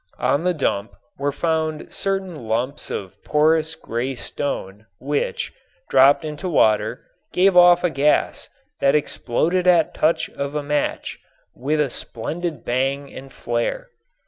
On the dump were found certain lumps of porous gray stone which, dropped into water, gave off a gas that exploded at touch of a match with a splendid bang and flare.